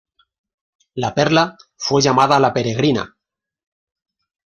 La perla fue llamada La Peregrina.